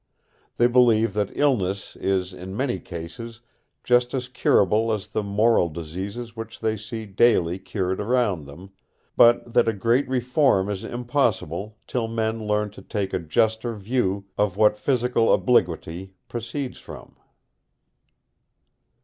They believe that illness is in many cases just as curable as the moral diseases which they see daily cured around them, but that a great reform is impossible till men learn to take a juster view of what physical obliquity proceeds from.